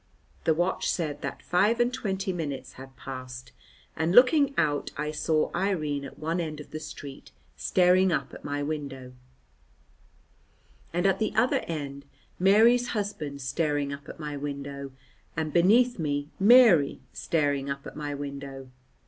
The watch said that five and twenty minutes had passed, and looking out I saw Irene at one end of the street staring up at my window, and at the other end Mary's husband staring up at my window, and beneath me Mary staring up at my window.